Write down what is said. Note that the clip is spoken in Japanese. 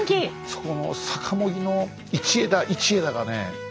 そこのさかも木の一枝一枝がね